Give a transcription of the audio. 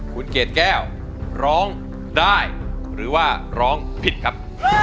คุณเกดแก้วร้องได้หรือว่าร้องผิดครับ